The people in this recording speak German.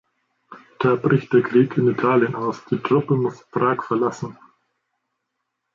Da bricht der Krieg in Italien aus, die Truppe muss Prag verlassen.